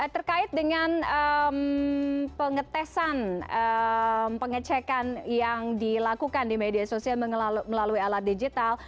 terkait dengan pengetesan pengecekan yang dilakukan di media sosial melalui alat digital